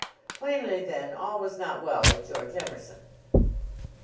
Plainly, then, all was not well with George Emerson.